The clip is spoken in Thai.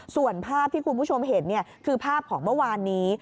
ส่วนภาพที่คุณผู้ชมเห็นคือภาพของเมื่อวานนี้